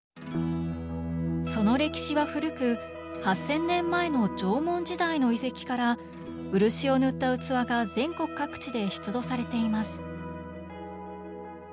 その歴史は古く８，０００年前の縄文時代の遺跡から漆を塗った器が全国各地で出土されています。